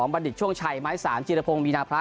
บรรดิช่วงชัยไม้๓จิรพงศ์มีนาพระ